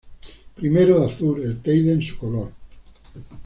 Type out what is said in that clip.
Primero, de azur, el Teide en su color.